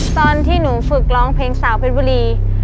ตอนที่หนูฝึกร้องเพลงสาวเพชรบุรี